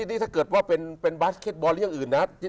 นี่ถ้าเกิดว่าเป็นบาสเก็ตบอลเรื่องอื่นนะ